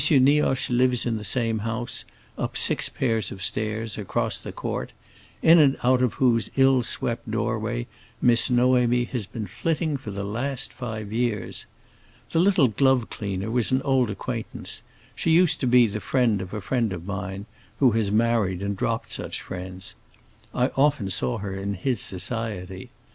Nioche lives in the same house, up six pair of stairs, across the court, in and out of whose ill swept doorway Miss Noémie has been flitting for the last five years. The little glove cleaner was an old acquaintance; she used to be the friend of a friend of mine, who has married and dropped such friends. I often saw her in his society.